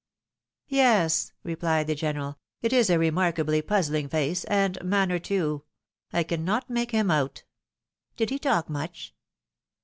" Yes," replied the general, " it is a remarkably puzzling face — and manner too. I cannot make him out." "Did he talk much?"